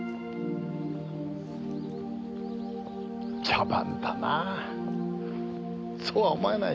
茶番だな。